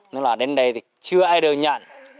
nói là đến đây thì chưa ai đều nhận